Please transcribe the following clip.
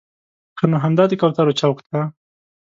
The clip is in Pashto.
ښه نو همدا د کوترو چوک دی.